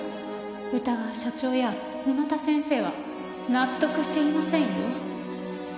宇田川社長や沼田先生は納得していませんよ。